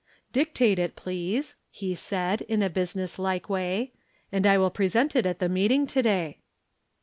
" Dictate it, please," he said, in a business hke way, " and I will present it at the meeting to day."